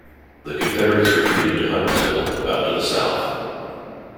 The Confederates retreated to Huttonsville, about to the south.